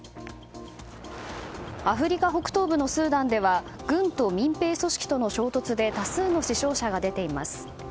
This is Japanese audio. アフリカ北東部のスーダンでは軍と民兵組織との衝突で多数の死傷者が出ています。